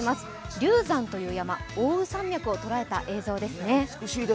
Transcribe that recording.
龍山という山、奥羽山脈を捉えた映像ですね。